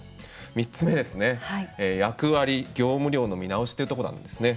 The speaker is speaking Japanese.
３つ目ですね、役割、業務量の見直しというところなんですね。